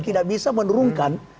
tidak bisa menurunkan